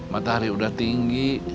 matahari udah tinggi